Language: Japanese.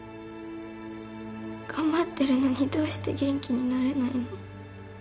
頑張ってるのにどうして元気になれないの？